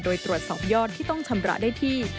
โดยตรวจสอบยอดที่ต้องชำระได้ที่